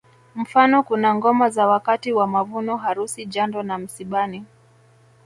Mfano kuna ngoma za wakati wa mavuno harusi jando na msibani